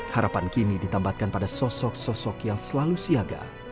harapan kini ditambatkan pada sosok sosok yang selalu siaga